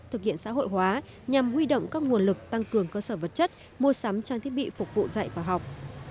thực hiện xã hội hóa nhằm huy động các nguồn lực tăng cường cơ sở vật chất mua sắm trang thiết bị phục vụ dạy và học